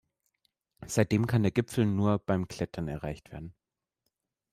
Seitdem kann der Gipfel nur beim Klettern erreicht werden.